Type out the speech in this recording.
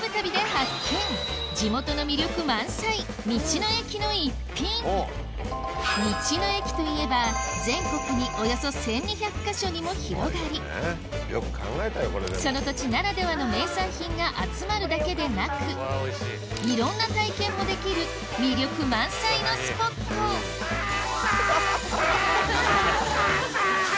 道の駅といえば全国におよそ１２００か所にも広がりその土地ならではの名産品が集まるだけでなくいろんな体験もできる魅力満載のスポットあぁあぁあぁ。